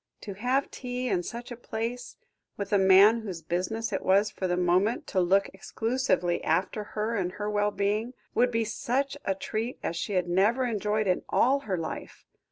To have tea in such a place, with a man whose business it was for the moment to look exclusively after her and her well being, would be such a treat as she had never enjoyed in all her life.